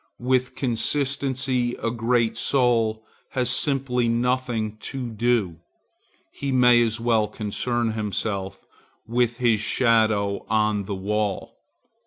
With consistency a great soul has simply nothing to do. He may as well concern himself with his shadow on the wall.